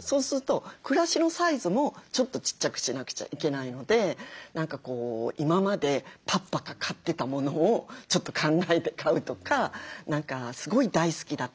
そうすると暮らしのサイズもちょっとちっちゃくしなくちゃいけないので今までパッパカ買ってたものをちょっと考えて買うとかすごい大好きだった